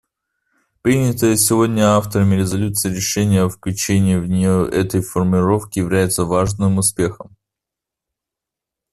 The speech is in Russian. Принятое сегодня авторами резолюции решение о включении в нее этой формулировки является важным успехом.